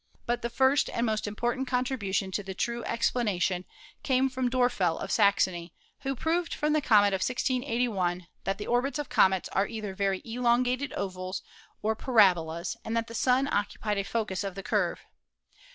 But the first and most important contribution to the true explanation came from . Dorfel of Saxony, who proved from the comet of 1681 that the orbits of comets are either very elongated ovals or parabolas and that the Sun occupied a focus of the curve.